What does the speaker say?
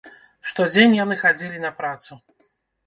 Штодзень яны хадзілі на працу!